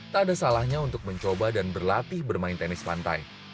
tak ada salahnya untuk mencoba dan berlatih bermain tenis pantai